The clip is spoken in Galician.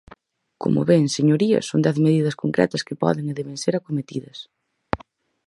Como ven, señorías, son dez medidas concretas que poden e deben ser acometidas.